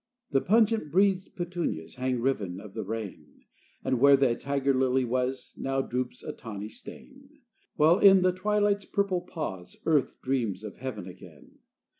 XIV The pungent breathed petunias Hang riven of the rain; And where the tiger lily was Now droops a tawny stain; While in the twilight's purple pause Earth dreams of heaven again.